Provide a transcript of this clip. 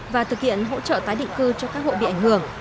và thực hiện hỗ trợ tái định cư cho các hội bị ảnh hưởng